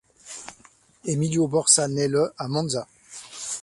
Emilio Borsa naît le à Monza.